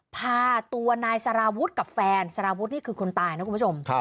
พาตัวนายสารวุฒิกับแฟนสารวุฒินี่คือคนตายนะคุณผู้ชม